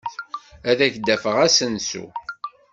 Ad ak-d-afeɣ asensu.